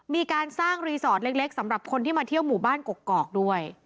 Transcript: มีการสร้างรีสอร์ทเล็กสำหรับคนที่มาเที่ยวหมู่บ้านกกอกด้วย